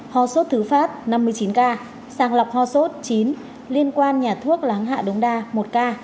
ho sốt thứ phát năm mươi chín ca sàng lọc ho sốt chín liên quan nhà thuốc láng hạ đống đa một ca